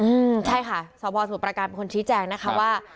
อืมใช่ค่ะสพสมุทรประการเป็นคนชี้แจงนะคะว่า